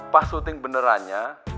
pas syuting benerannya